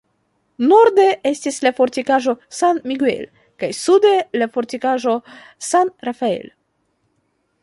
Norde estis la fortikaĵo San Miguel kaj sude la fortikaĵo San Rafael.